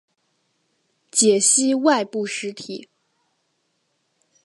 解析外部实体。